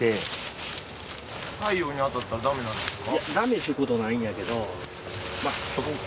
太陽に当たったらダメなんですか？